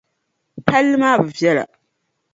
Palli maa bi viεla.